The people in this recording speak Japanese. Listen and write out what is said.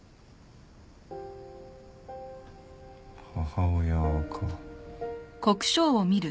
母親か。